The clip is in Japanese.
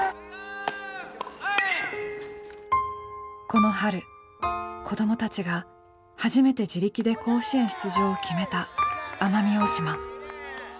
この春子どもたちが初めて自力で甲子園出場を決めた奄美大島。